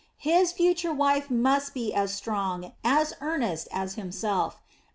His future wife must be as strong, as earnest, as himself.